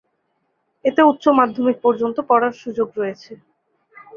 এতে উচ্চ মাধ্যমিক পর্যন্ত পড়ার সুযোগ রয়েছে।